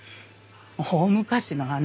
大昔の話。